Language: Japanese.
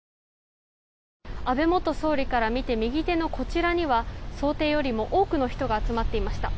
安倍元総理から見て右手のこちらには想定よりも多くの人が集まっていました。